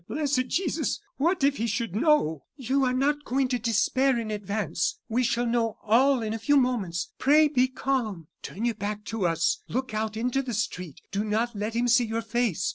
Blessed Jesus! what if he should know." "You are not going to despair in advance! We shall know all in a few moments. Pray be calm. Turn your back to us; look out into the street; do not let him see your face.